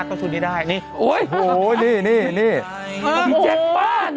เตรียด